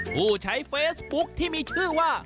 ผู้ใช้เฟซบุ๊คที่มีชื่อว่า